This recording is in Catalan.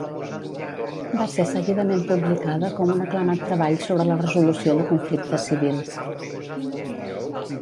Va ser seguidament publicada com un aclamat treball sobre la resolució de conflictes civils.